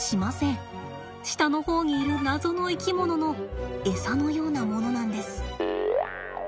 下の方にいる謎の生き物のエサのようなものなんです。